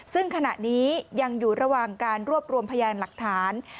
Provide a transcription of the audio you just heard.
ซึ่งขณะนี้ยังอยู่ระหว่างการรวบรวมพยานหลักฐาน